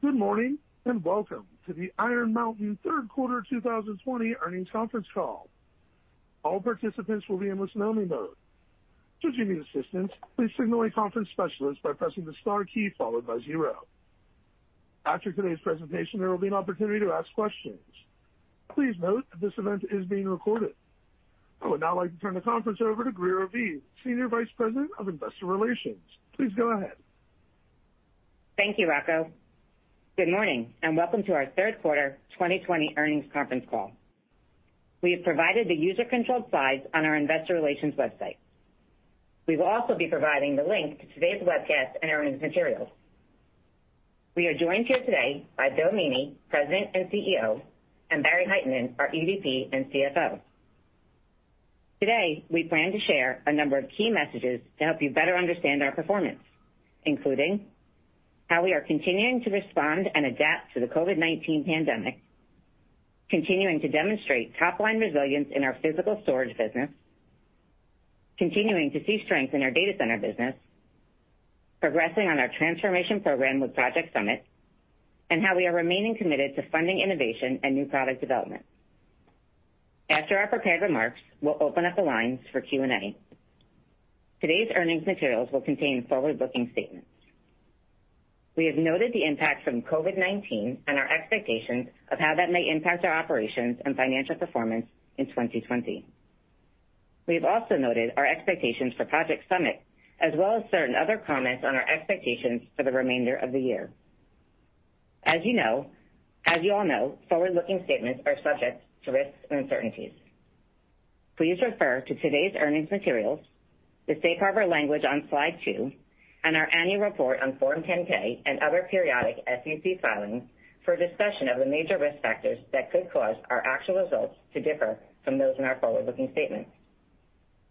Good morning, and welcome to the Iron Mountain third quarter 2020 earnings conference call. All participants will be in listen-only mode. Should you need assistance, please signal a conference specialist by pressing the star key followed by zero. After today's presentation, there will be an opportunity to ask questions. Please note that this event is being recorded. I would now like to turn the conference over to Greer Aviv, Senior Vice President of Investor Relations. Please go ahead. Thank you, Rocco. Good morning, and welcome to our third quarter 2020 earnings conference call. We have provided the user-controlled slides on our investor relations website. We will also be providing the link to today's webcast and earnings materials. We are joined here today by Bill Meaney, President and CEO, and Barry Hytinen, our EVP and CFO. Today, we plan to share a number of key messages to help you better understand our performance, including how we are continuing to respond and adapt to the COVID-19 pandemic, continuing to demonstrate top-line resilience in our physical storage business, continuing to see strength in our data center business, progressing on our transformation program with Project Summit, and how we are remaining committed to funding innovation and new product development. After our prepared remarks, we'll open up the lines for Q&A. Today's earnings materials will contain forward-looking statements. We have noted the impact from COVID-19 and our expectations of how that may impact our operations and financial performance in 2020. We have also noted our expectations for Project Summit, as well as certain other comments on our expectations for the remainder of the year. As you all know, forward-looking statements are subject to risks and uncertainties. Please refer to today's earnings materials, the safe harbor language on slide two, and our annual report on Form 10-K and other periodic SEC filings for a discussion of the major risk factors that could cause our actual results to differ from those in our forward-looking statements.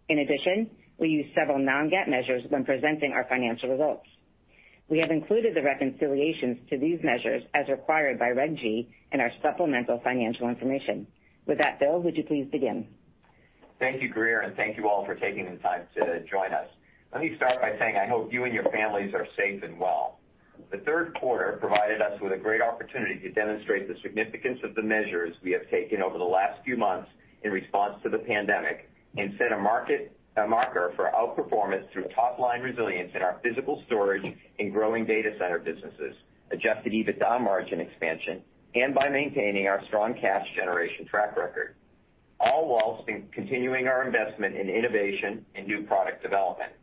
In addition, we use several non-GAAP measures when presenting our financial results. We have included the reconciliations to these measures as required by Regulation G in our supplemental financial information. With that, Bill, would you please begin? Thank you, Greer, and thank you all for taking the time to join us. Let me start by saying I hope you and your families are safe and well. The third quarter provided us with a great opportunity to demonstrate the significance of the measures we have taken over the last few months in response to the pandemic and set a marker for outperformance through top-line resilience in our physical storage and growing data center businesses, adjusted EBITDA margin expansion, and by maintaining our strong cash generation track record, all while continuing our investment in innovation and new product development.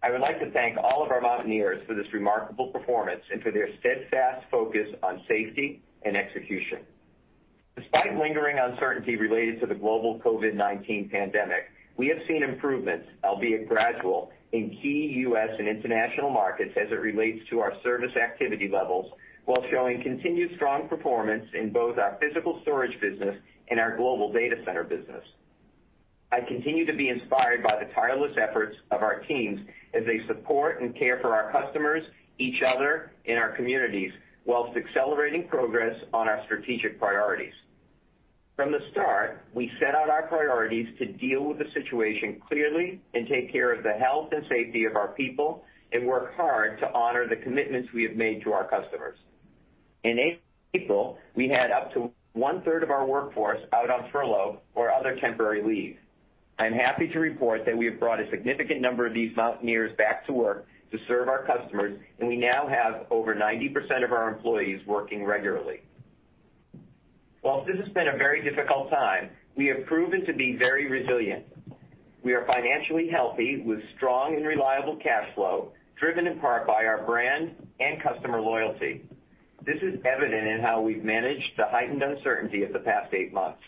I would like to thank all of our Mountaineers for this remarkable performance and for their steadfast focus on safety and execution. Despite lingering uncertainty related to the global COVID-19 pandemic, we have seen improvements, albeit gradual, in key U.S. and international markets as it relates to our service activity levels while showing continued strong performance in both our physical storage business and our Global Data Center business. I continue to be inspired by the tireless efforts of our teams as they support and care for our customers, each other, and our communities while accelerating progress on our strategic priorities. From the start, we set out our priorities to deal with the situation clearly and take care of the health and safety of our people and work hard to honor the commitments we have made to our customers. In April, we had up to one-third of our workforce out on furlough or other temporary leave. I'm happy to report that we have brought a significant number of these Mountaineers back to work to serve our customers, and we now have over 90% of our employees working regularly. Whilst this has been a very difficult time, we have proven to be very resilient. We are financially healthy with strong and reliable cash flow, driven in part by our brand and customer loyalty. This is evident in how we've managed the heightened uncertainty of the past eight months.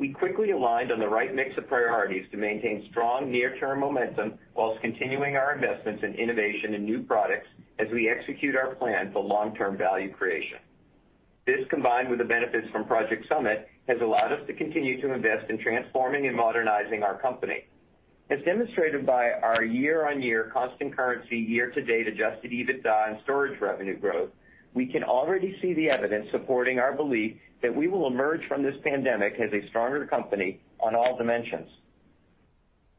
We quickly aligned on the right mix of priorities to maintain strong near-term momentum whilst continuing our investments in innovation and new products as we execute our plan for long-term value creation. This, combined with the benefits from Project Summit, has allowed us to continue to invest in transforming and modernizing our company. As demonstrated by our year-on-year constant currency year-to-date adjusted EBITDA and storage revenue growth, we can already see the evidence supporting our belief that we will emerge from this pandemic as a stronger company on all dimensions.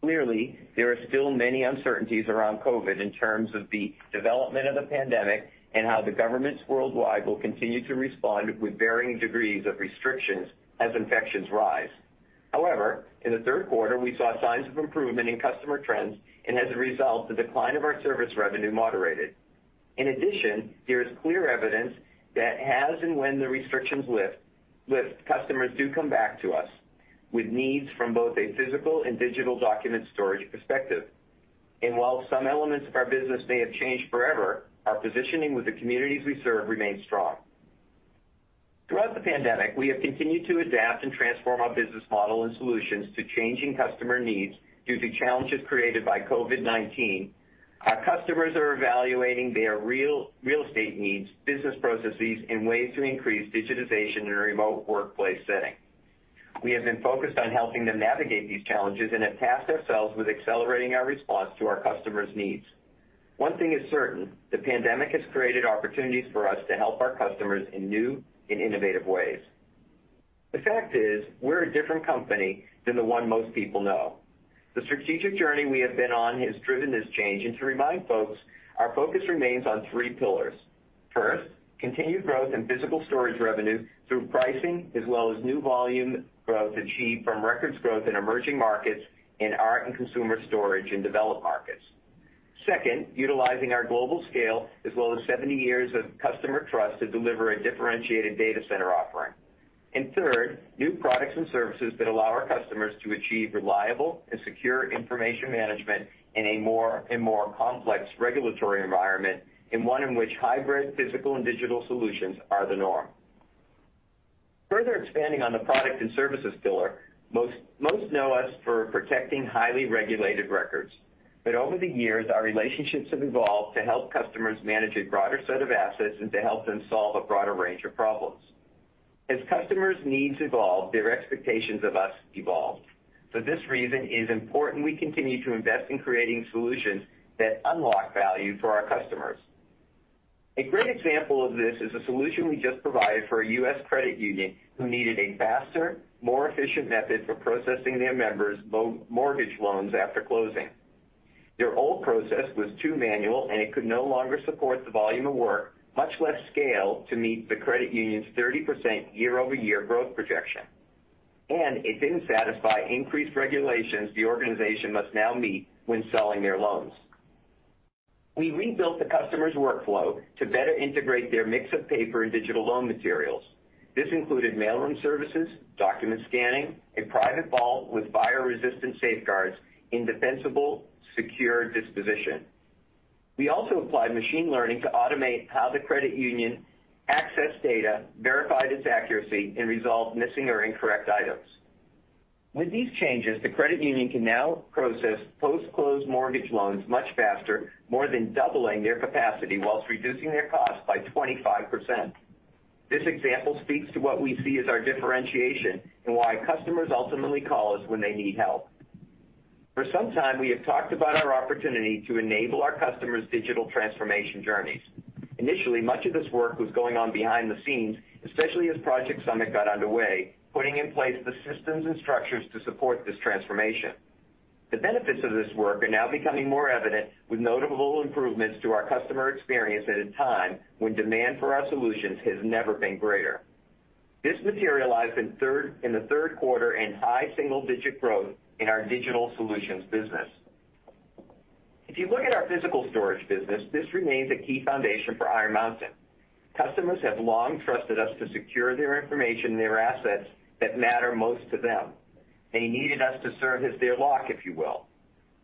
Clearly, there are still many uncertainties around COVID in terms of the development of the pandemic and how the governments worldwide will continue to respond with varying degrees of restrictions as infections rise. However, in the third quarter, we saw signs of improvement in customer trends, and as a result, the decline of our service revenue moderated. In addition, there is clear evidence that as and when the restrictions lift, customers do come back to us with needs from both a physical and digital document storage perspective. While some elements of our business may have changed forever, our positioning with the communities we serve remains strong. Throughout the pandemic, we have continued to adapt and transform our business model and solutions to changing customer needs due to challenges created by COVID-19. Our customers are evaluating their real estate needs, business processes, and ways to increase digitization in a remote workplace setting. We have been focused on helping them navigate these challenges and have tasked ourselves with accelerating our response to our customers' needs. One thing is certain, the pandemic has created opportunities for us to help our customers in new and innovative ways. The fact is, we're a different company than the one most people know. The strategic journey we have been on has driven this change. To remind folks, our focus remains on three pillars. First, continued growth in physical storage revenue through pricing as well as new volume growth achieved from records growth in emerging markets in art and consumer storage in developed markets. Second, utilizing our global scale as well as 70 years of customer trust to deliver a differentiated data center offering. Third, new products and services that allow our customers to achieve reliable and secure information management in a more and more complex regulatory environment, in one in which hybrid physical and digital solutions are the norm. Further expanding on the product and services pillar, most know us for protecting highly regulated records. Over the years, our relationships have evolved to help customers manage a broader set of assets and to help them solve a broader range of problems. As customers' needs evolve, their expectations of us evolve. For this reason, it is important we continue to invest in creating solutions that unlock value for our customers. A great example of this is a solution we just provided for a U.S. credit union who needed a faster, more efficient method for processing their members' mortgage loans after closing. Their old process was too manual, and it could no longer support the volume of work, much less scale, to meet the credit union's 30% year-over-year growth projection. It didn't satisfy increased regulations the organization must now meet when selling their loans. We rebuilt the customer's workflow to better integrate their mix of paper and digital loan materials. This included mailroom services, document scanning, a private vault with fire-resistant safeguards, and defensible, secure disposition. We also applied machine learning to automate how the credit union accessed data, verified its accuracy, and resolved missing or incorrect items. With these changes, the credit union can now process post-close mortgage loans much faster, more than doubling their capacity whilst reducing their cost by 25%. This example speaks to what we see as our differentiation and why customers ultimately call us when they need help. For some time, we have talked about our opportunity to enable our customers' digital transformation journeys. Initially, much of this work was going on behind the scenes, especially as Project Summit got underway, putting in place the systems and structures to support this transformation. The benefits of this work are now becoming more evident, with notable improvements to our customer experience at a time when demand for our solutions has never been greater. This materialized in the third quarter in high single-digit growth in our digital solutions business. If you look at our physical storage business, this remains a key foundation for Iron Mountain. Customers have long trusted us to secure their information, their assets that matter most to them. They needed us to serve as their lock, if you will.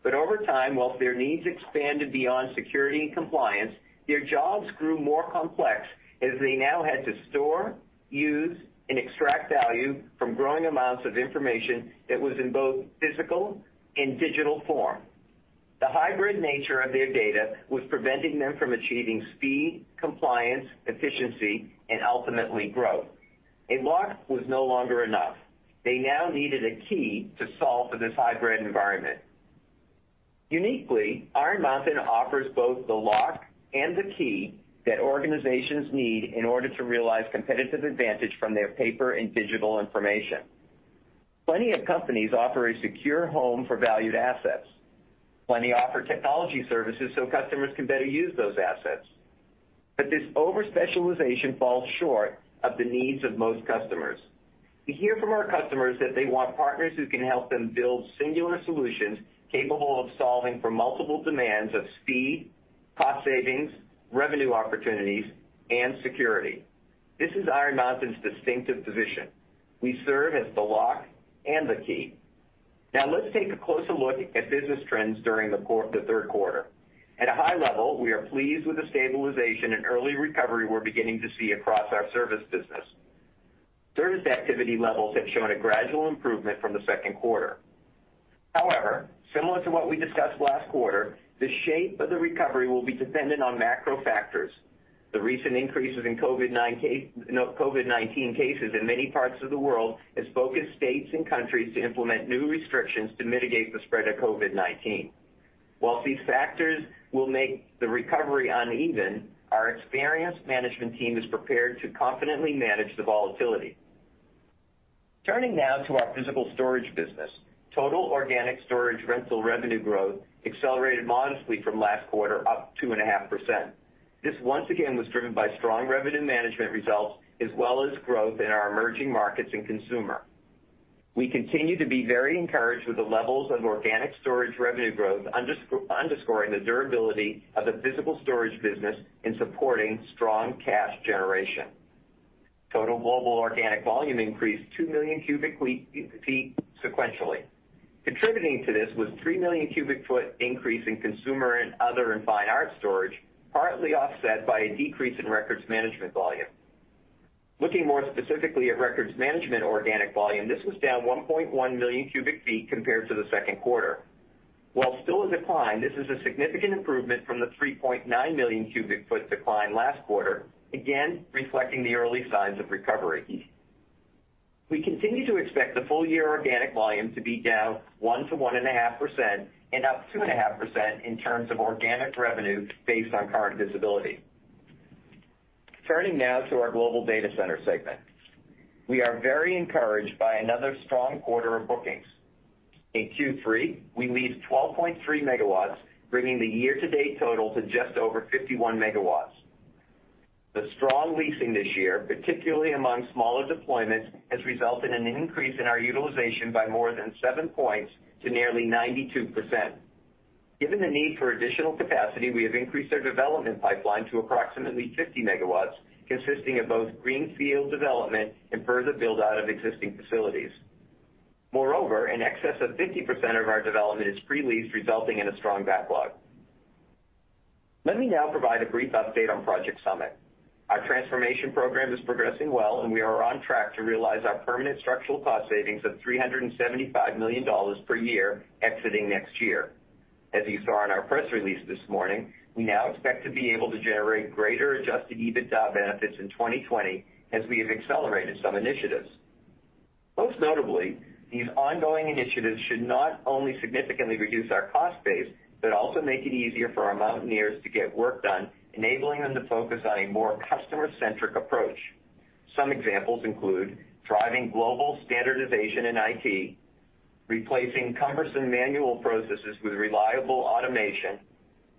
Over time, whilst their needs expanded beyond security and compliance, their jobs grew more complex as they now had to store, use, and extract value from growing amounts of information that was in both physical and digital form. The hybrid nature of their data was preventing them from achieving speed, compliance, efficiency, and ultimately, growth. A lock was no longer enough. They now needed a key to solve for this hybrid environment. Uniquely, Iron Mountain offers both the lock and the key that organizations need in order to realize competitive advantage from their paper and digital information. Plenty of companies offer a secure home for valued assets. Plenty offer technology services so customers can better use those assets. This overspecialization falls short of the needs of most customers. We hear from our customers that they want partners who can help them build singular solutions capable of solving for multiple demands of speed, cost savings, revenue opportunities, and security. This is Iron Mountain's distinctive position. We serve as the lock and the key. Now let's take a closer look at business trends during the third quarter. At a high level, we are pleased with the stabilization and early recovery we're beginning to see across our service business. Service activity levels have shown a gradual improvement from the second quarter. Similar to what we discussed last quarter, the shape of the recovery will be dependent on macro factors. The recent increases in COVID-19 cases in many parts of the world has focused states and countries to implement new restrictions to mitigate the spread of COVID-19. Whilst these factors will make the recovery uneven, our experienced management team is prepared to confidently manage the volatility. Turning now to our physical storage business, total organic storage rental revenue growth accelerated modestly from last quarter, up 2.5%. This, once again, was driven by strong revenue management results as well as growth in our emerging markets and consumer. We continue to be very encouraged with the levels of organic storage revenue growth underscoring the durability of the physical storage business in supporting strong cash generation. Total global organic volume increased two million cubic feet sequentially. Contributing to this was a three-million-cubic-foot increase in consumer and other and fine art storage, partly offset by a decrease in records management volume. Looking more specifically at records management organic volume, this was down 1.1 million cubic feet compared to the second quarter. While still a decline, this is a significant improvement from the 3.9 million cubic foot decline last quarter, again, reflecting the early signs of recovery. We continue to expect the full-year organic volume to be down 1%-1.5% and up 2.5% in terms of organic revenue based on current visibility. Turning now to our Global Data Center segment. We are very encouraged by another strong quarter of bookings. In Q3, we leased 12.3 megawatts, bringing the year-to-date total to just over 51 megawatts. The strong leasing this year, particularly among smaller deployments, has resulted in an increase in our utilization by more than seven points to nearly 92%. Given the need for additional capacity, we have increased our development pipeline to approximately 50 megawatts, consisting of both greenfield development and further build-out of existing facilities. In excess of 50% of our development is pre-leased, resulting in a strong backlog. Let me now provide a brief update on Project Summit. Our transformation program is progressing well, and we are on track to realize our permanent structural cost savings of $375 million per year exiting next year. As you saw in our press release this morning, we now expect to be able to generate greater adjusted EBITDA benefits in 2020 as we have accelerated some initiatives. Most notably, these ongoing initiatives should not only significantly reduce our cost base, but also make it easier for our Mountaineers to get work done, enabling them to focus on a more customer-centric approach. Some examples include driving global standardization in IT, replacing cumbersome manual processes with reliable automation,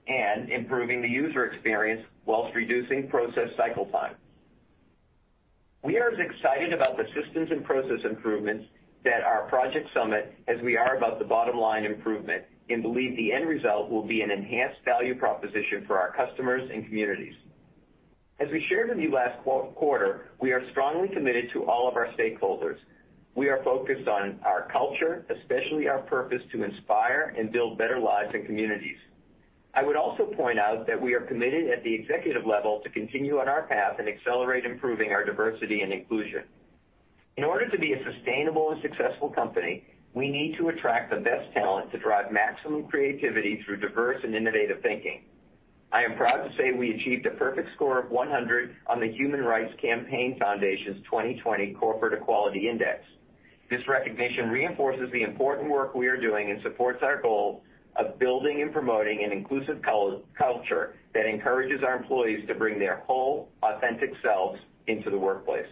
and improving the user experience while reducing process cycle time. We are as excited about the systems and process improvements that are Project Summit as we are about the bottom line improvement and believe the end result will be an enhanced value proposition for our customers and communities. As we shared with you last quarter, we are strongly committed to all of our stakeholders. We are focused on our culture, especially our purpose to inspire and build better lives and communities. I would also point out that we are committed at the executive level to continue on our path and accelerate improving our diversity and inclusion. In order to be a sustainable and successful company, we need to attract the best talent to drive maximum creativity through diverse and innovative thinking. I am proud to say we achieved a perfect score of 100 on the Human Rights Campaign Foundation's 2020 Corporate Equality Index. This recognition reinforces the important work we are doing and supports our goal of building and promoting an inclusive culture that encourages our employees to bring their whole, authentic selves into the workplace.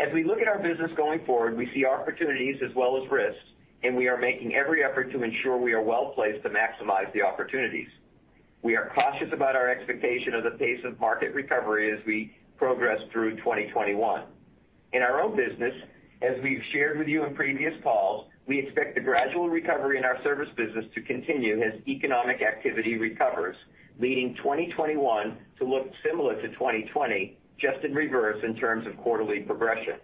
As we look at our business going forward, we see opportunities as well as risks, and we are making every effort to ensure we are well-placed to maximize the opportunities. We are cautious about our expectation of the pace of market recovery as we progress through 2021. In our own business, as we've shared with you in previous calls, we expect the gradual recovery in our service business to continue as economic activity recovers, leading 2021 to look similar to 2020, just in reverse in terms of quarterly progression.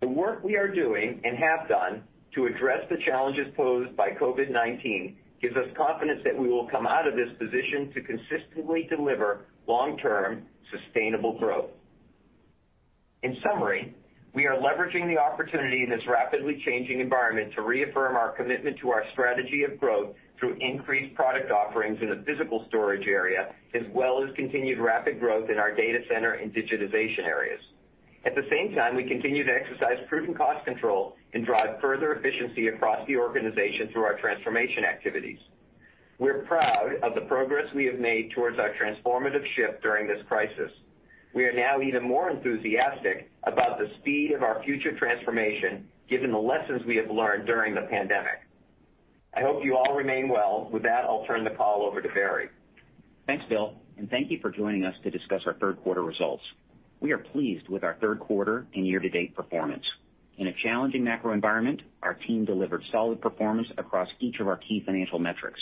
The work we are doing, and have done, to address the challenges posed by COVID-19 gives us confidence that we will come out of this positioned to consistently deliver long-term sustainable growth. In summary, we are leveraging the opportunity in this rapidly changing environment to reaffirm our commitment to our strategy of growth through increased product offerings in the physical storage area, as well as continued rapid growth in our data center and digitization areas. At the same time, we continue to exercise prudent cost control and drive further efficiency across the organization through our transformation activities. We're proud of the progress we have made towards our transformative shift during this crisis. We are now even more enthusiastic about the speed of our future transformation, given the lessons we have learned during the pandemic. I hope you all remain well. With that, I'll turn the call over to Barry. Thanks, Bill, and thank you for joining us to discuss our third quarter results. We are pleased with our third quarter and year-to-date performance. In a challenging macro environment, our team delivered solid performance across each of our key financial metrics.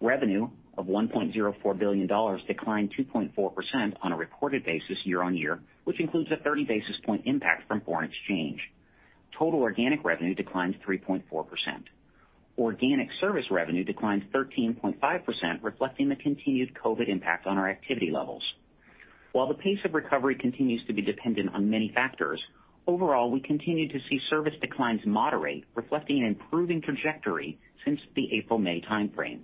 Revenue of $1.04 billion declined 2.4% on a reported basis year-on-year, which includes a 30-basis-point impact from foreign exchange. Total organic revenue declined 3.4%. Organic service revenue declined 13.5%, reflecting the continued COVID impact on our activity levels. While the pace of recovery continues to be dependent on many factors, overall, we continue to see service declines moderate, reflecting an improving trajectory since the April-May timeframe.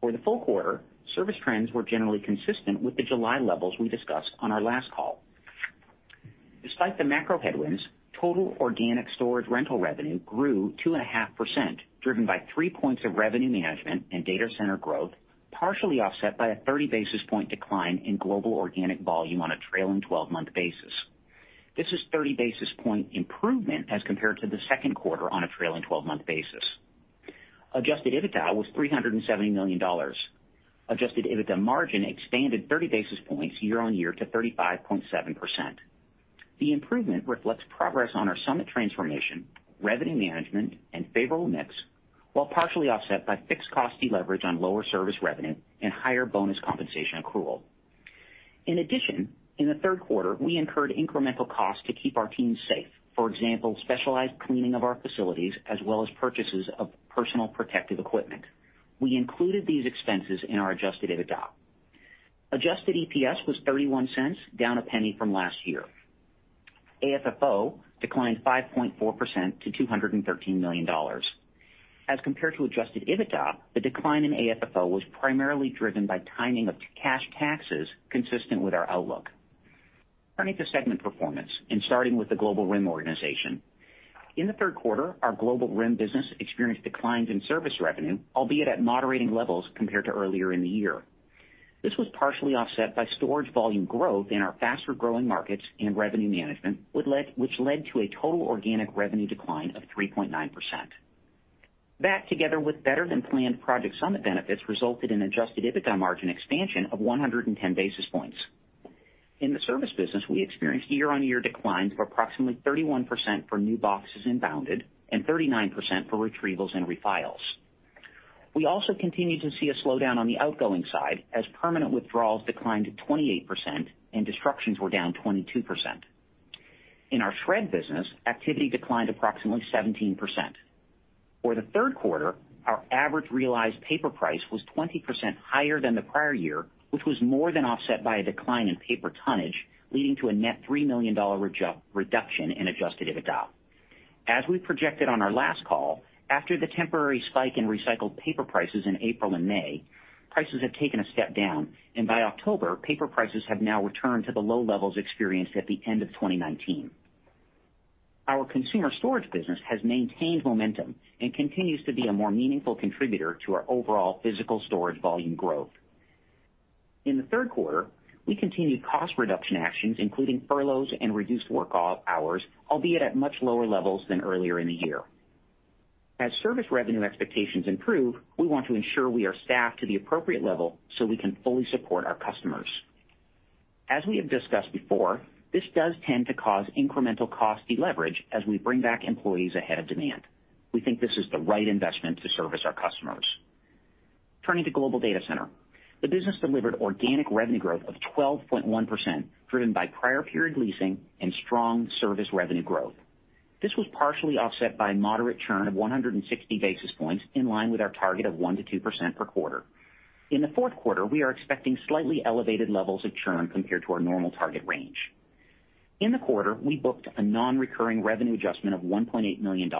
For the full quarter, service trends were generally consistent with the July levels we discussed on our last call. Despite the macro headwinds, total organic storage rental revenue grew 2.5%, driven by three points of revenue management and data center growth, partially offset by a 30-basis-point decline in global organic volume on a trailing 12-month basis. This is a 30-basis-point improvement as compared to the second quarter on a trailing 12-month basis. Adjusted EBITDA was $370 million. Adjusted EBITDA margin expanded 30 basis points year-on-year to 35.7%. The improvement reflects progress on our Project Summit transformation, revenue management, and favorable mix, while partially offset by fixed cost deleverage on lower service revenue and higher bonus compensation accrual. In addition, in the third quarter, we incurred incremental costs to keep our teams safe. For example, specialized cleaning of our facilities as well as purchases of personal protective equipment. We included these expenses in our adjusted EBITDA. Adjusted EPS was $0.31, down a penny from last year. AFFO declined 5.4% to $213 million. As compared to adjusted EBITDA, the decline in AFFO was primarily driven by timing of cash taxes consistent with our outlook. Turning to segment performance, starting with the Global RIM organization. In the third quarter, our Global RIM business experienced declines in service revenue, albeit at moderating levels compared to earlier in the year. This was partially offset by storage volume growth in our faster-growing markets and revenue management, which led to a total organic revenue decline of 3.9%. That, together with better-than-planned Project Summit benefits, resulted in adjusted EBITDA margin expansion of 110 basis points. In the service business, we experienced year-on-year declines of approximately 31% for new boxes inbounded and 39% for retrievals and refiles. We also continue to see a slowdown on the outgoing side as permanent withdrawals declined to 28% and destructions were down 22%. In our shred business, activity declined approximately 17%. For the third quarter, our average realized paper price was 20% higher than the prior year, which was more than offset by a decline in paper tonnage, leading to a net $3 million reduction in adjusted EBITDA. As we projected on our last call, after the temporary spike in recycled paper prices in April and May, prices have taken a step down, and by October, paper prices have now returned to the low levels experienced at the end of 2019. Our consumer storage business has maintained momentum and continues to be a more meaningful contributor to our overall physical storage volume growth. In the third quarter, we continued cost reduction actions, including furloughs and reduced work hours, albeit at much lower levels than earlier in the year. As service revenue expectations improve, we want to ensure we are staffed to the appropriate level so we can fully support our customers. As we have discussed before, this does tend to cause incremental cost deleverage as we bring back employees ahead of demand. We think this is the right investment to service our customers. Turning to Global Data Center. The business delivered organic revenue growth of 12.1%, driven by prior period leasing and strong service revenue growth. This was partially offset by moderate churn of 160 basis points, in line with our target of 1%-2% per quarter. In the fourth quarter, we are expecting slightly elevated levels of churn compared to our normal target range. In the quarter, we booked a non-recurring revenue adjustment of $1.8 million.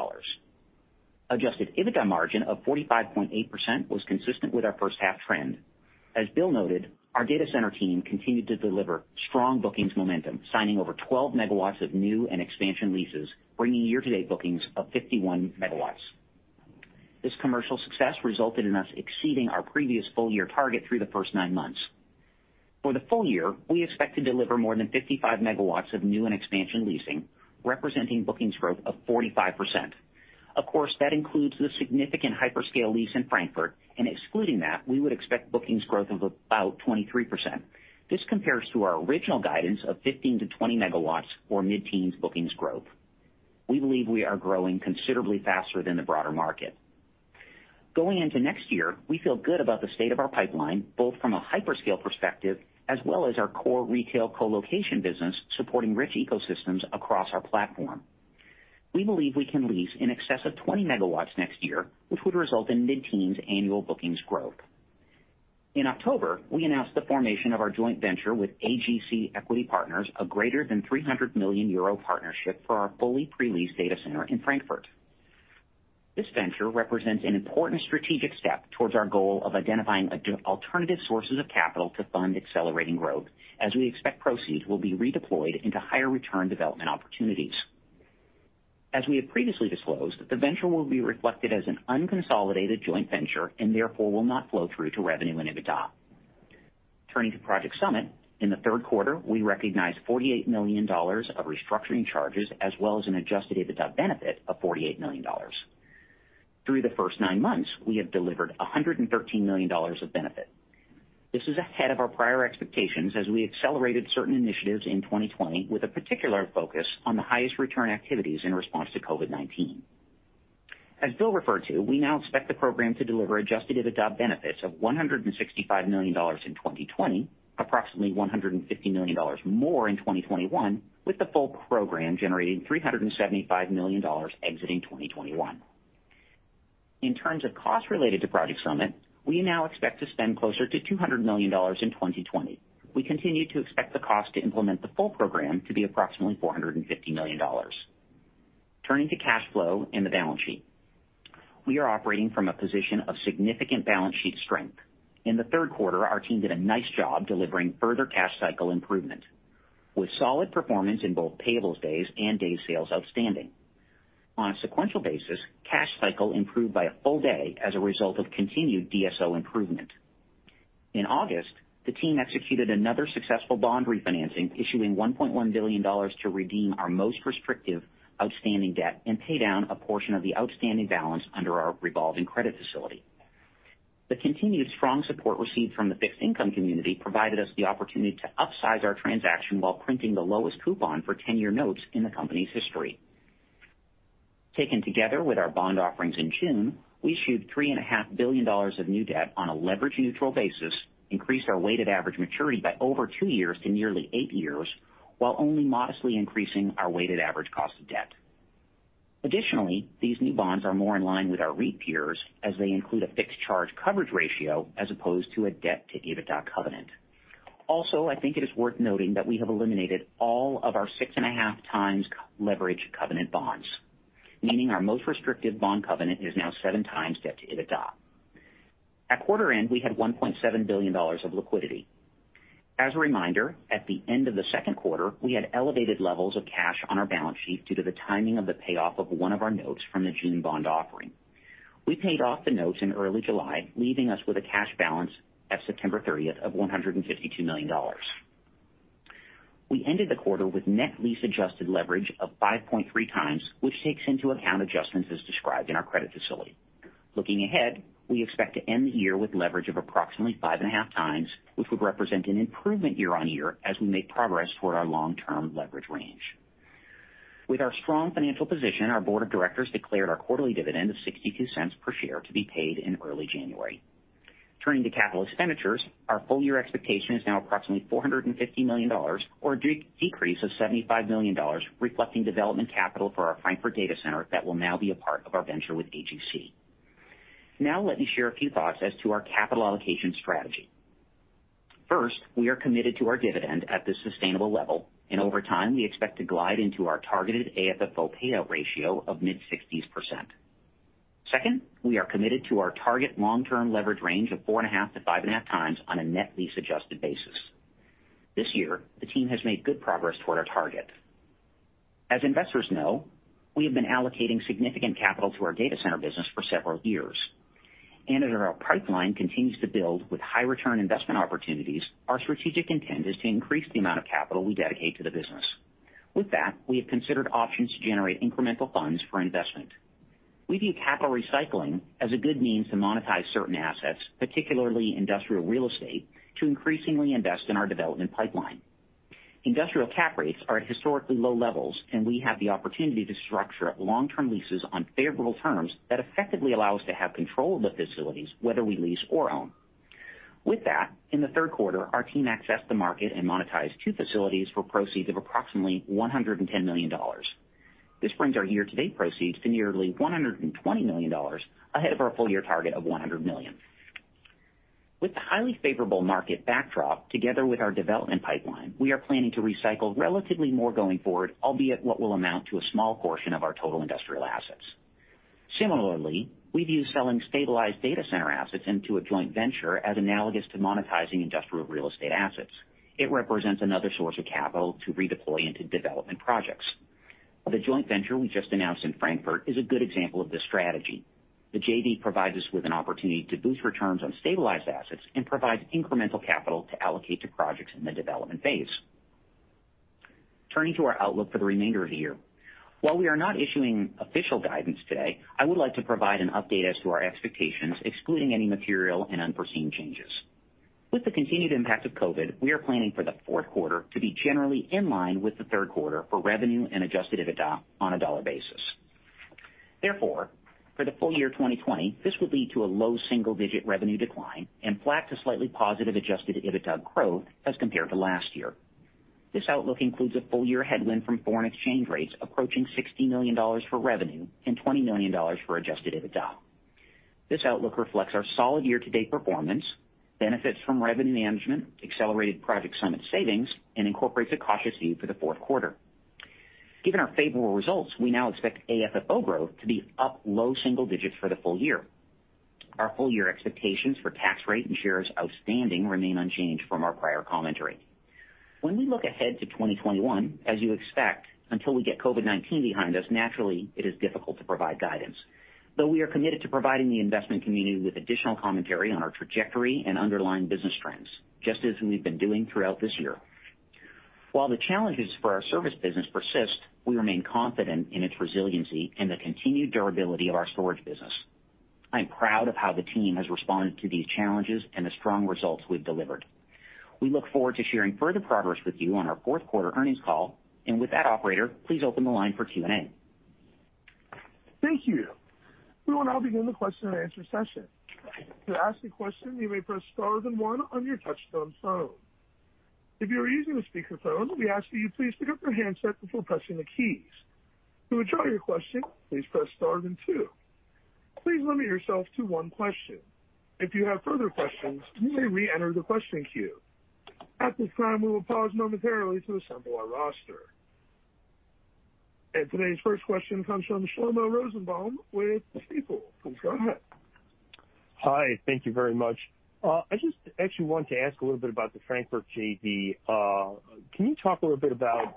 Adjusted EBITDA margin of 45.8% was consistent with our first half trend. As Bill noted, our data center team continued to deliver strong bookings momentum, signing over 12 MW of new and expansion leases, bringing year-to-date bookings of 51 MW. This commercial success resulted in us exceeding our previous full year target through the first nine months. For the full year, we expect to deliver more than 55 MW of new and expansion leasing, representing bookings growth of 45%. Of course, that includes the significant hyperscale lease in Frankfurt, and excluding that, we would expect bookings growth of about 23%. This compares to our original guidance of 15-20 MW or mid-teens bookings growth. We believe we are growing considerably faster than the broader market. Going into next year, we feel good about the state of our pipeline, both from a hyperscale perspective as well as our core retail colocation business supporting rich ecosystems across our platform. We believe we can lease in excess of 20 megawatts next year, which would result in mid-teens annual bookings growth. In October, we announced the formation of our joint venture with AGC Equity Partners, a greater than 300 million euro partnership for our fully pre-leased data center in Frankfurt. This venture represents an important strategic step towards our goal of identifying alternative sources of capital to fund accelerating growth, as we expect proceeds will be redeployed into higher return development opportunities. As we have previously disclosed, the venture will be reflected as an unconsolidated joint venture and therefore will not flow through to revenue and EBITDA. Turning to Project Summit, in the third quarter, we recognized $48 million of restructuring charges as well as an adjusted EBITDA benefit of $48 million. Through the first nine months, we have delivered $113 million of benefit. This is ahead of our prior expectations as we accelerated certain initiatives in 2020 with a particular focus on the highest return activities in response to COVID-19. As Bill referred to, we now expect the program to deliver adjusted EBITDA benefits of $165 million in 2020, approximately $150 million more in 2021, with the full program generating $375 million exiting 2021. In terms of costs related to Project Summit, we now expect to spend closer to $200 million in 2020. We continue to expect the cost to implement the full program to be approximately $450 million. Turning to cash flow and the balance sheet. We are operating from a position of significant balance sheet strength. In the third quarter, our team did a nice job delivering further cash cycle improvement with solid performance in both payables days and days sales outstanding. On a sequential basis, cash cycle improved by a full day as a result of continued DSO improvement. In August, the team executed another successful bond refinancing, issuing $1.1 billion to redeem our most restrictive outstanding debt and pay down a portion of the outstanding balance under our revolving credit facility. The continued strong support received from the fixed income community provided us the opportunity to upsize our transaction while printing the lowest coupon for 10-year notes in the company's history. Taken together with our bond offerings in June, we issued $3.5 billion of new debt on a leverage-neutral basis, increased our weighted average maturity by over two years to nearly eight years, while only modestly increasing our weighted average cost of debt. Additionally, these new bonds are more in line with our REIT peers as they include a fixed charge coverage ratio as opposed to a debt-to-EBITDA covenant. Also, I think it is worth noting that we have eliminated all of our 6.5 times leverage covenant bonds, meaning our most restrictive bond covenant is now seven times debt to EBITDA. At quarter end, we had $1.7 billion of liquidity. As a reminder, at the end of the second quarter, we had elevated levels of cash on our balance sheet due to the timing of the payoff of one of our notes from the June bond offering. We paid off the notes in early July, leaving us with a cash balance at September 30th of $152 million. We ended the quarter with net lease adjusted leverage of 5.3 times, which takes into account adjustments as described in our credit facility. Looking ahead, we expect to end the year with leverage of approximately 5.5 times, which would represent an improvement year-on-year as we make progress toward our long-term leverage range. With our strong financial position, our board of directors declared our quarterly dividend of $0.62 per share to be paid in early January. Turning to capital expenditures, our full year expectation is now approximately $450 million, or a decrease of $75 million, reflecting development capital for our Frankfurt data center that will now be a part of our venture with AGC. Now let me share a few thoughts as to our capital allocation strategy. First, we are committed to our dividend at this sustainable level, and over time, we expect to glide into our targeted AFFO payout ratio of mid-60s%. Second, we are committed to our target long-term leverage range of 4.5-5.5 times on a net lease adjusted basis. This year, the team has made good progress toward our target. As investors know, we have been allocating significant capital to our Global Data Center business for several years. As our pipeline continues to build with high return investment opportunities, our strategic intent is to increase the amount of capital we dedicate to the business. With that, we have considered options to generate incremental funds for investment. We view capital recycling as a good means to monetize certain assets, particularly industrial real estate, to increasingly invest in our development pipeline. Industrial cap rates are at historically low levels, and we have the opportunity to structure long-term leases on favorable terms that effectively allow us to have control of the facilities, whether we lease or own. With that, in the third quarter, our team accessed the market and monetized two facilities for proceeds of approximately $110 million. This brings our year-to-date proceeds to nearly $120 million ahead of our full year target of $100 million. With the highly favorable market backdrop, together with our development pipeline, we are planning to recycle relatively more going forward, albeit what will amount to a small portion of our total industrial assets. Similarly, we view selling stabilized data center assets into a joint venture as analogous to monetizing industrial real estate assets. It represents another source of capital to redeploy into development projects. The joint venture we just announced in Frankfurt is a good example of this strategy. The JV provides us with an opportunity to boost returns on stabilized assets and provide incremental capital to allocate to projects in the development phase. Turning to our outlook for the remainder of the year. While we are not issuing official guidance today, I would like to provide an update as to our expectations, excluding any material and unforeseen changes. With the continued impact of COVID, we are planning for the fourth quarter to be generally in line with the third quarter for revenue and adjusted EBITDA on a dollar basis. Therefore, for the full year 2020, this will lead to a low single-digit revenue decline and flat to slightly positive adjusted EBITDA growth as compared to last year. This outlook includes a full year headwind from foreign exchange rates approaching $60 million for revenue and $20 million for adjusted EBITDA. This outlook reflects our solid year-to-date performance, benefits from revenue management, accelerated Project Summit savings, and incorporates a cautious view for the fourth quarter. Given our favorable results, we now expect AFFO growth to be up low single digits for the full year. Our full year expectations for tax rate and shares outstanding remain unchanged from our prior commentary. When we look ahead to 2021, as you expect, until we get COVID-19 behind us, naturally, it is difficult to provide guidance. Though we are committed to providing the investment community with additional commentary on our trajectory and underlying business trends, just as we've been doing throughout this year. While the challenges for our service business persist, we remain confident in its resiliency and the continued durability of our storage business. I am proud of how the team has responded to these challenges and the strong results we've delivered. We look forward to sharing further progress with you on our fourth quarter earnings call. With that, operator, please open the line for Q&A. Thank you. We will now begin the question and answer session. To ask a question, you may press star then one on your touchtone phone. If you are using a speakerphone, we ask that you please pick up your handset before pressing the keys. To withdraw your question, please press star then two. Please limit yourself to one question. If you have further questions, you may reenter the question queue. At this time, we will pause momentarily to assemble our roster. Today's first question comes from Shlomo Rosenbaum with Stifel. Please go ahead. Hi. Thank you very much. I just actually wanted to ask a little bit about the Frankfurt JV. Can you talk a little bit about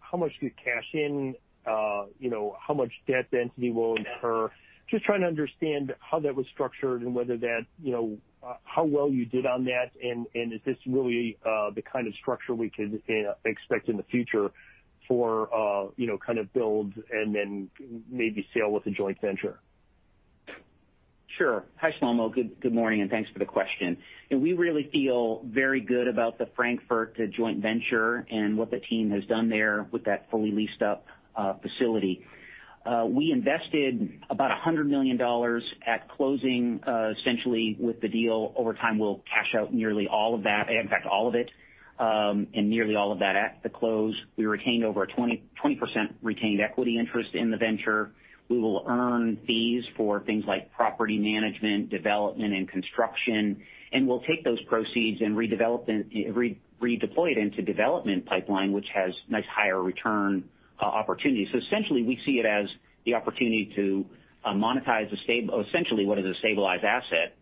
how much do you cash in? How much debt the entity will incur? Just trying to understand how that was structured and how well you did on that, and is this really the kind of structure we could expect in the future for builds and then maybe sale with a joint venture? Sure. Hi, Shlomo. Good morning, and thanks for the question. We really feel very good about the Frankfurt joint venture and what the team has done there with that fully leased up facility. We invested about $100 million at closing, essentially with the deal. Over time, we'll cash out nearly all of that. In fact, all of it. Nearly all of that at the close. We retained over 20% retained equity interest in the venture. We will earn fees for things like property management, development, and construction, and we'll take those proceeds and redeploy it into development pipeline, which has nice higher return opportunities. Essentially, we see it as the opportunity to monetize essentially what is a stabilized asset.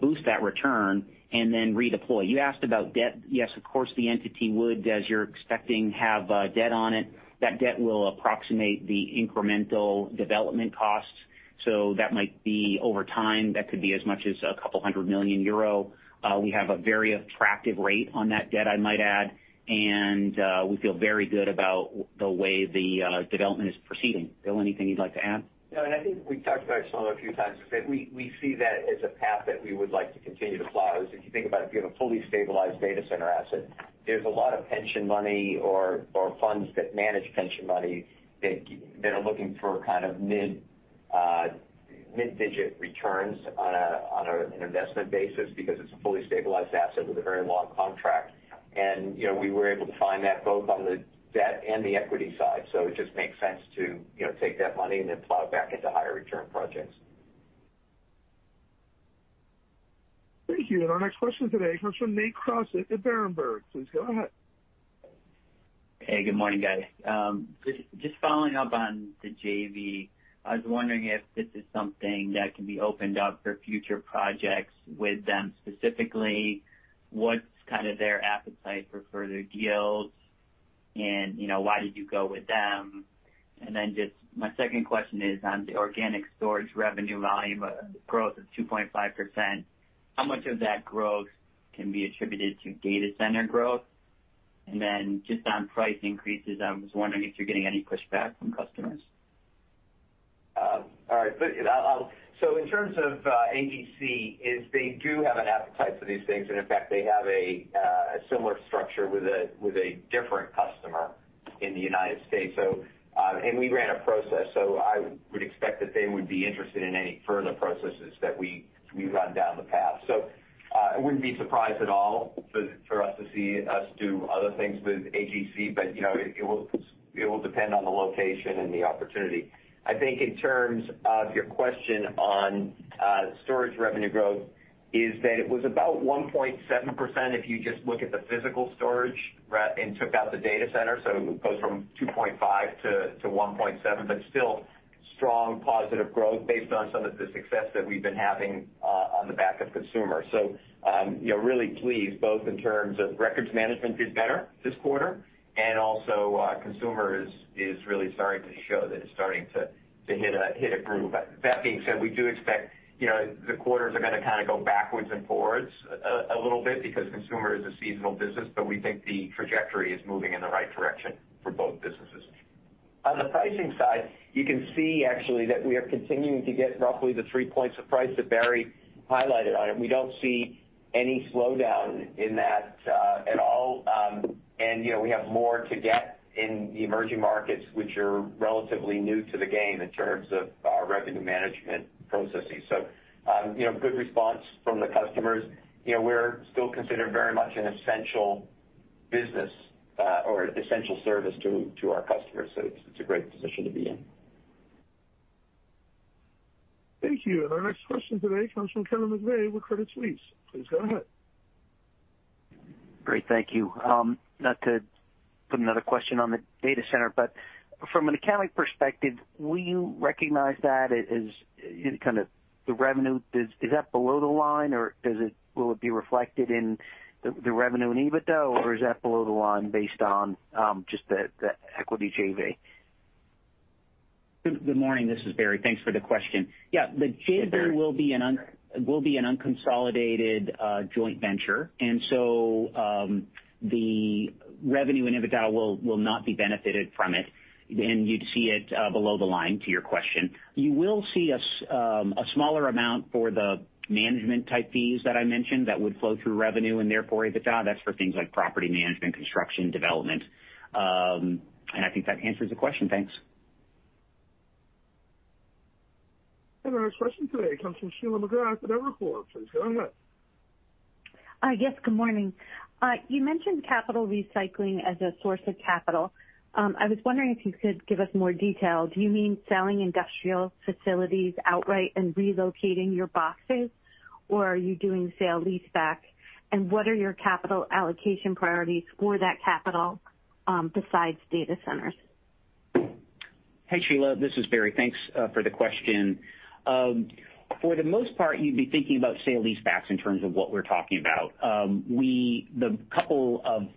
Boost that return and then redeploy. You asked about debt. Yes, of course, the entity would, as you're expecting, have debt on it. That debt will approximate the incremental development costs. That might be over time, that could be as much as 200 million euro. We have a very attractive rate on that debt, I might add, and we feel very good about the way the development is proceeding. Bill, anything you'd like to add? No, and I think we've talked about it some other few times, but we see that as a path that we would like to continue to plow. If you think about it, if you have a fully stabilized data center asset, there's a lot of pension money or funds that manage pension money that are looking for kind of mid-digit returns on an investment basis because it's a fully stabilized asset with a very long contract. We were able to find that both on the debt and the equity side. It just makes sense to take that money and then plow it back into higher return projects. Thank you. Our next question today comes from Nate Crossett at Berenberg. Please go ahead. Hey, good morning, guys. Just following up on the JV. I was wondering if this is something that can be opened up for future projects with them. Specifically, what's kind of their appetite for further deals and why did you go with them? Just my second question is on the organic storage revenue volume growth of 2.5%. How much of that growth can be attributed to data center growth? Just on price increases, I was wondering if you're getting any pushback from customers. All right. In terms of AGC, they do have an appetite for these things. In fact, they have a similar structure with a different customer in the U.S. We ran a process. I would expect that they would be interested in any further processes that we run down the path. I wouldn't be surprised at all for us to see us do other things with AGC. It will depend on the location and the opportunity. I think in terms of your question on storage revenue growth, is that it was about 1.7% if you just look at the physical storage and took out the data center. It goes from 2.5 to 1.7, but still strong positive growth based on some of the success that we've been having on the back of consumer. Really pleased both in terms of records management did better this quarter, and also consumer is really starting to show that it's starting to hit a groove. That being said, we do expect the quarters are going to kind of go backwards and forwards a little bit because consumer is a seasonal business, but we think the trajectory is moving in the right direction for both businesses. On the pricing side, you can see actually that we are continuing to get roughly the three points of price that Barry highlighted on it. We don't see any slowdown in that at all. We have more to get in the emerging markets, which are relatively new to the game in terms of our revenue management processes. Good response from the customers. We're still considered very much an essential business or essential service to our customers. It's a great position to be in. Thank you. Our next question today comes from Kevin McVeigh with Credit Suisse. Please go ahead. Great. Thank you. Not to put another question on the Data Center, from an accounting perspective, will you recognize that as kind of the revenue? Is that below the line or will it be reflected in the revenue and EBITDA, or is that below the line based on just the equity JV? Good morning. This is Barry. Thanks for the question. Hey, Barry. will be an unconsolidated joint venture, the revenue and EBITDA will not be benefited from it. You'd see it below the line to your question. You will see a smaller amount for the management type fees that I mentioned that would flow through revenue and therefore EBITDA. That's for things like property management, construction, development. I think that answers the question. Thanks. Our next question today comes from Sheila McGrath with Evercore. Please go ahead. Yes, good morning. You mentioned capital recycling as a source of capital. I was wondering if you could give us more detail. Do you mean selling industrial facilities outright and relocating your boxes, or are you doing sale leaseback? What are your capital allocation priorities for that capital besides data centers? Hey, Sheila. This is Barry. Thanks for the question. For the most part, you'd be thinking about sale leasebacks in terms of what we're talking about. The couple of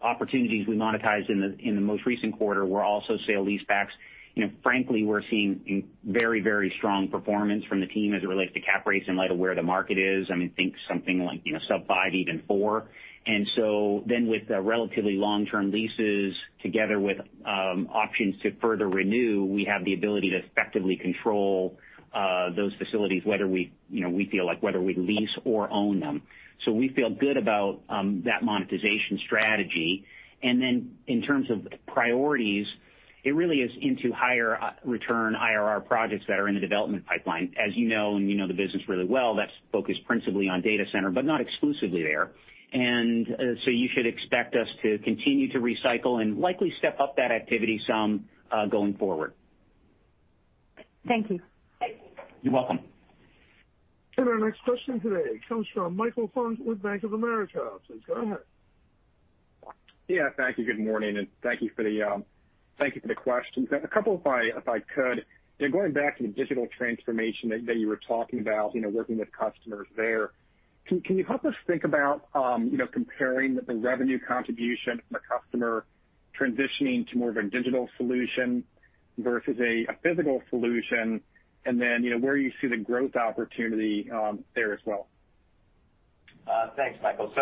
opportunities we monetized in the most recent quarter were also sale leasebacks. We're seeing very strong performance from the team as it relates to cap rates in light of where the market is. I mean, think something like sub five, even four. With the relatively long-term leases together with options to further renew, we have the ability to effectively control those facilities, whether we lease or own them. We feel good about that monetization strategy. In terms of priorities, it really is into higher return IRR projects that are in the development pipeline. As you know, and you know the business really well, that's focused principally on data center, but not exclusively there. You should expect us to continue to recycle and likely step up that activity some going forward. Thank you. You're welcome. Our next question today comes from Michael Funk with Bank of America. Please go ahead. Thank you. Good morning, thank you for the questions. A couple if I could. Going back to the digital transformation that you were talking about, working with customers there, can you help us think about comparing the revenue contribution from a customer transitioning to more of a digital solution versus a physical solution? Where you see the growth opportunity there as well? Thanks, Michael.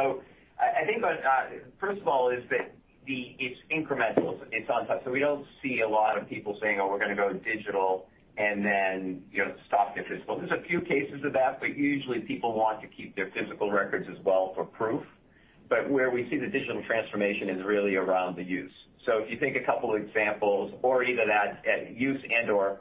I think, first of all, is that it's incremental, it's on top. We don't see a lot of people saying, "Oh, we're going to go digital," and then stop their physical. There's a few cases of that, but usually people want to keep their physical records as well for proof. Where we see the digital transformation is really around the use. If you take a couple of examples, or either that use and/or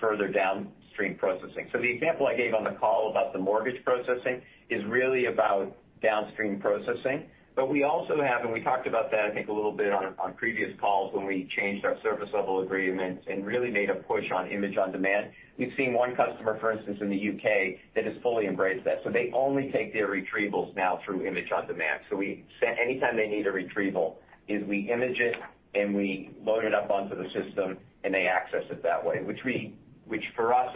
further downstream processing. The example I gave on the call about the mortgage processing is really about downstream processing. We also have, and we talked about that, I think, a little bit on previous calls when we changed our service level agreements and really made a push on image on demand. We've seen one customer, for instance, in the U.K. that has fully embraced that. They only take their retrievals now through image on demand. Anytime they need a retrieval, is we image it, and we load it up onto the system, and they access it that way. Which for us,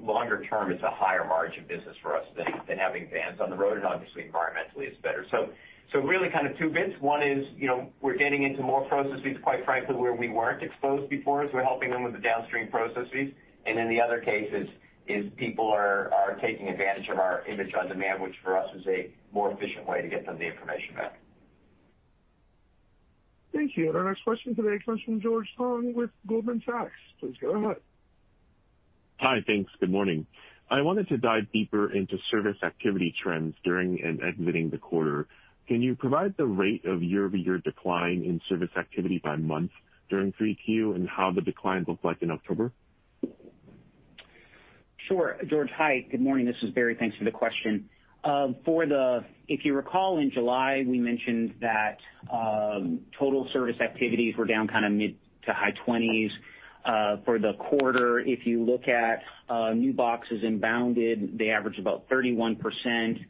longer term, is a higher margin business for us than having vans on the road. Obviously, environmentally, it's better. Really two bits. One is, we're getting into more processes, quite frankly, where we weren't exposed before, as we're helping them with the downstream processes. Then the other case is, people are taking advantage of our image on demand, which for us is a more efficient way to get them the information back. Thank you. Our next question today comes from George Tong with Goldman Sachs. Please go ahead. Hi, thanks. Good morning. I wanted to dive deeper into service activity trends during and exiting the quarter. Can you provide the rate of year-over-year decline in service activity by month during 3Q and how the decline looked like in October? Sure. George. Hi, good morning. This is Barry. Thanks for the question. If you recall, in July, we mentioned that total service activities were down mid to high 20s. For the quarter, if you look at new boxes inbounded, they average about 31%.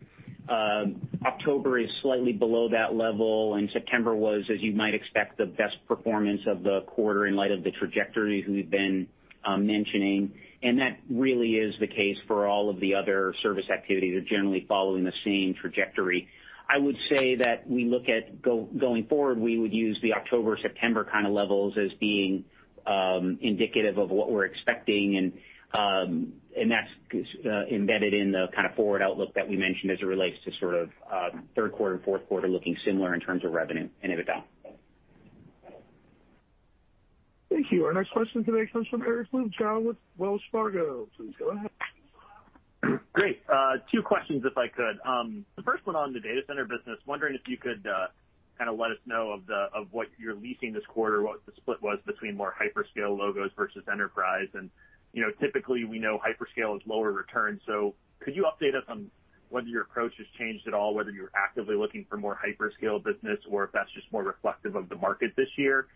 October is slightly below that level, and September was, as you might expect, the best performance of the quarter in light of the trajectory we've been mentioning. That really is the case for all of the other service activities. They're generally following the same trajectory. I would say that we look at going forward, we would use the October, September levels as being indicative of what we're expecting. That's embedded in the forward outlook that we mentioned as it relates to third quarter and fourth quarter looking similar in terms of revenue and EBITDA. Thank you. Our next question today comes from Eric Luebchow with Wells Fargo. Please go ahead. Great. Two questions, if I could. The first one on the Global Data Center business. Wondering if you could let us know of what you're leasing this quarter, what the split was between more hyperscale logos versus enterprise. Typically, we know hyperscale is lower return. Could you update us on whether your approach has changed at all, whether you're actively looking for more hyperscale business or if that's just more reflective of the market this year?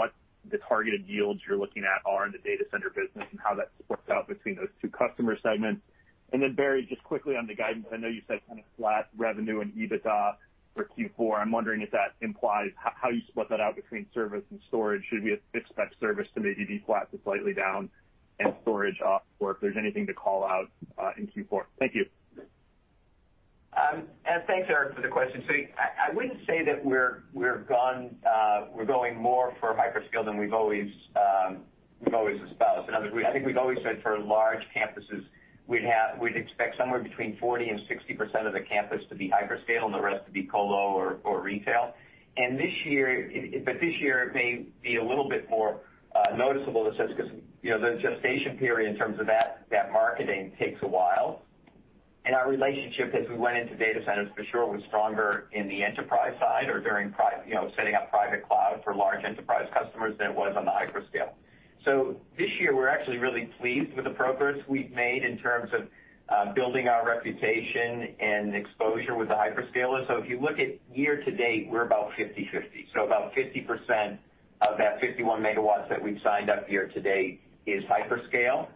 What the targeted yields you're looking at are in the Global Data Center business and how that splits out between those two customer segments. Barry, just quickly on the guidance, I know you said kind of flat revenue and EBITDA for Q4. I'm wondering if that implies how you split that out between service and storage. Should we expect service to maybe be flat to slightly down and storage up, or if there's anything to call out in Q4? Thank you. Thanks, Eric, for the question. I wouldn't say that we're going more for hyperscale than we've always espoused. In other words, I think we've always said for large campuses, we'd expect somewhere between 40% and 60% of the campus to be hyperscale and the rest to be co-lo or retail. This year, it may be a little bit more noticeable because the gestation period in terms of that marketing takes a while. Our relationship, as we went into data centers, for sure, was stronger in the enterprise side or setting up private cloud for large enterprise customers than it was on the hyperscale. This year, we're actually really pleased with the progress we've made in terms of building our reputation and exposure with the hyperscalers. If you look at year to date, we're about 50/50. About 50% of that 51 MW that we've signed up year to date is hyperscale,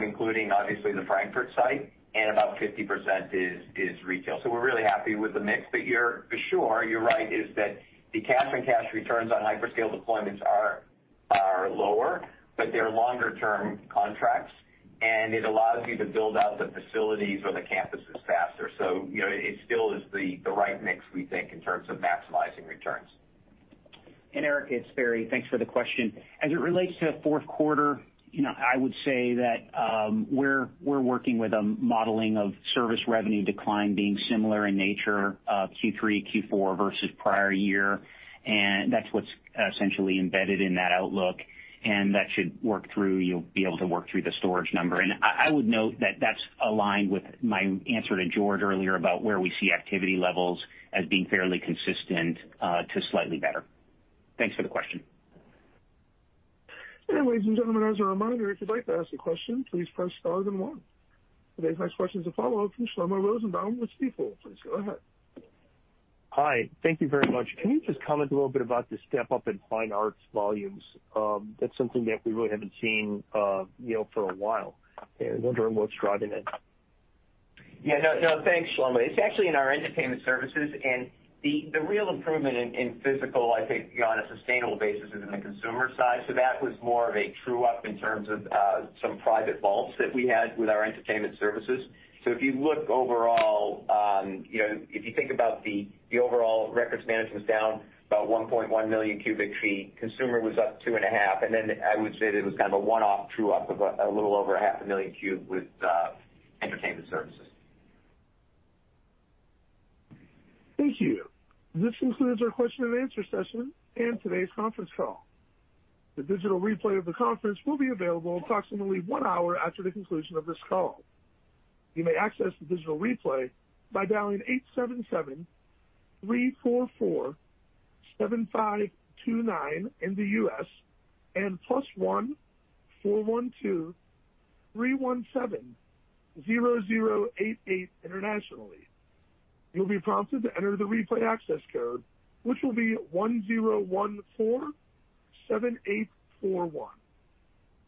including obviously the Frankfurt site, and about 50% is retail. We're really happy with the mix. For sure, you're right, is that the cash-on-cash returns on hyperscale deployments are lower, but they're longer-term contracts, and it allows you to build out the facilities or the campuses faster. It still is the right mix, we think, in terms of maximizing returns. Eric, it's Barry Hytinen. Thanks for the question. As it relates to fourth quarter, I would say that we're working with a modeling of service revenue decline being similar in nature, Q3, Q4 versus prior year. That's what's essentially embedded in that outlook, and that should work through. You'll be able to work through the storage number. I would note that's aligned with my answer to George Tong earlier about where we see activity levels as being fairly consistent to slightly better. Thanks for the question. Ladies and gentlemen, as a reminder, if you'd like to ask a question, please press star then one. Today's next question is a follow-up from Shlomo Rosenbaum with Stifel. Please go ahead. Hi. Thank you very much. Can you just comment a little bit about the step-up in fine arts volumes? That's something that we really haven't seen for a while, and I wonder what's driving it. Yeah. No. Thanks, Shlomo. It's actually in our entertainment services and the real improvement in physical, I think, on a sustainable basis, is in the consumer side. That was more of a true-up in terms of some private vaults that we had with our entertainment services. If you look overall, if you think about the overall records management is down about 1.1 million cubic feet. Consumer was up two and a half. I would say that it was kind of a one-off true-up of a little over half a million cube with entertainment services. Thank you. This concludes our question and answer session and today's conference call. The digital replay of the conference will be available approximately one hour after the conclusion of this call. You may access the digital replay by dialing 877-344-7529 in the U.S. and +14123170088 internationally. You'll be prompted to enter the replay access code, which will be 10147841.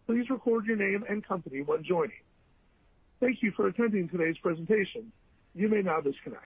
Please record your name and company when joining. Thank you for attending today's presentation. You may now disconnect.